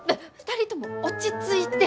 ２人とも落ち着いて。